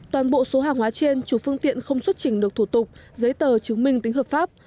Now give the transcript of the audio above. toàn bộ số hàng hóa trên chủ phương tiện không xuất trình được thủ tục giấy tờ chứng minh tính hợp pháp